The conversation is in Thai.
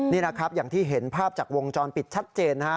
นี่นะครับอย่างที่เห็นภาพจากวงจรปิดชัดเจนนะฮะ